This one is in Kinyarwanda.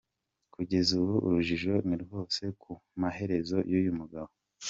Kugeza ubu urujijo ni rwose ku maherezo y’uyu mugabo.